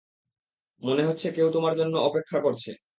মনে হচ্ছে কেউ তোমার জন্য অপেক্ষা করছে।